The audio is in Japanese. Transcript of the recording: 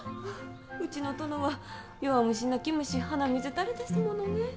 うちの殿は、弱虫、泣き虫鼻水垂れですものね。